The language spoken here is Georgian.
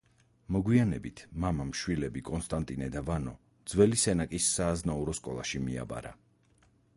მოგვიანებით მამამ შვილები კონსტანტინე და ვანო ძველი სენაკის სააზნაურო სკოლაში მიაბარა.